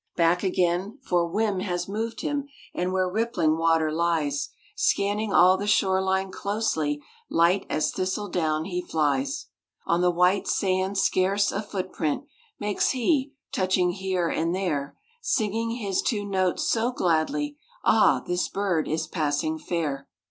Back again—for whim has moved him— And where rippling water lies, Scanning all the shore line closely, Light as thistle down he flies! On the white sand scarce a footprint Makes he, touching here and there; Singing his two notes so gladly, Ah, this bird is passing fair!